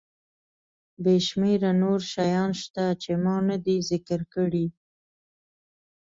بې شمېره نور شیان شته چې ما ندي ذکر کړي.